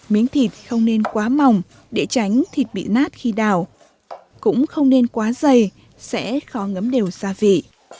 miếng thịt không nên quá mỏng để tránh thịt bị nát khi đào cũng không nên quá dày sẽ khó ngấm đều gia vị